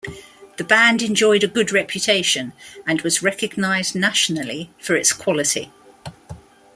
The band enjoyed a good reputation, and was recognised nationally for its quality.